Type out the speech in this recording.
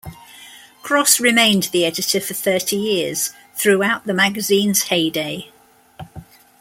Cross remained the editor for thirty years, throughout the magazine's heyday.